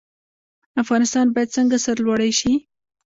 افغانستان باید څنګه سرلوړی شي؟